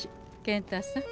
健太さん